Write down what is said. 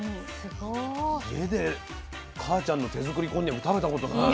家で母ちゃんの手作りこんにゃく食べたことない。